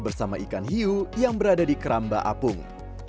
bersama ikan hiu yang berada di keramba apung